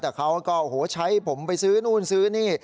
แต่เขาก็โอ้โหใช้ผมไปซื้อนู่นซื้อนี่